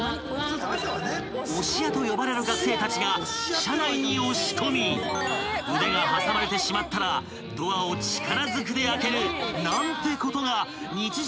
［押し屋と呼ばれる学生たちが車内に押し込み腕が挟まれてしまったらドアを力ずくで開けるなんてことが日常